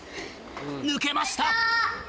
抜けました。